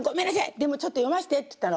でもちょっと読ませて」っつったの。